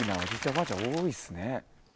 おばあちゃん多いですね。